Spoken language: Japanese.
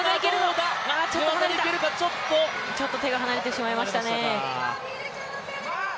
ちょっと手が離れてしまいましたね。